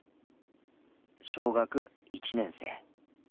小学１年生。